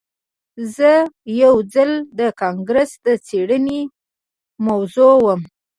زه یو ځل د کانګرس د څیړنې موضوع وم